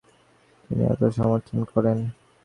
তিনি এতে সমর্থন করেন।